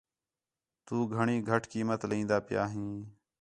تُو گھݨی گَھٹ قیمت لین٘دا پِیاں ہیں